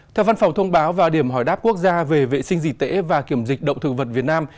theo văn phòng thông báo và điểm hỏi đáp quốc gia về vệ sinh dịch tễ và kiểm dịch động thực vật việt nam